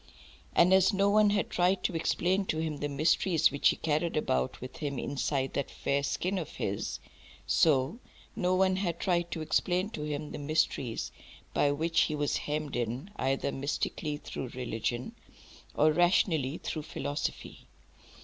And as no one had tried to explain to him the mysteries which he carried about with him inside that fair skin of his, so no one had tried to explain to him the mysteries by which he was hemmed in, either mystically through religion, or rationally through philosophy.